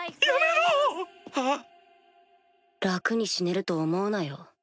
楽に死ねると思うなよ？